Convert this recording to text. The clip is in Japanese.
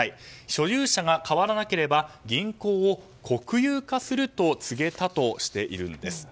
所有者が変わらなければ銀行を国有化すると告げたとしているんです。